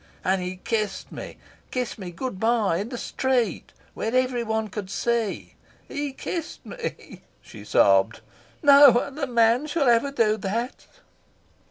And he kissed me kissed me good bye in the street, where every one could see. He kissed me," she sobbed. "No other man shall ever do that."